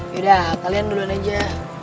yaudah kalian duluan aja